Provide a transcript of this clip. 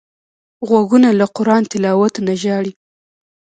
غوږونه له قران تلاوت نه ژاړي